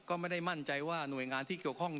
ก็ไม่ได้มั่นใจว่าหน่วยงานที่เกี่ยวข้อง